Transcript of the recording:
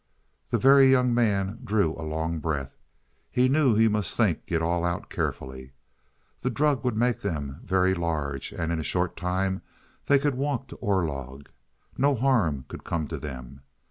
The Very Young Man drew a long breath. He knew he must think it all out carefully. The drug would make them very large, and in a short time they could walk to Orlog. No harm could come to them.